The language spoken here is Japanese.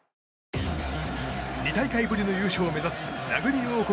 ２大会ぶりの優勝を目指すラグビー王国